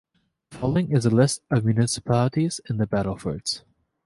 The following is a list of municipalities in The Battlefords.